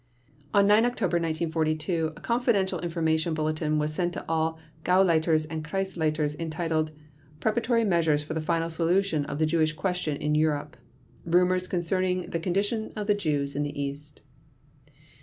On 9 October 1942, a confidential information bulletin was sent to all Gauleiters and Kreisleiters entitled "Preparatory Measures for the Final Solution of the Jewish Question in Europe. Rumors concerning the Conditions of the Jews in the East."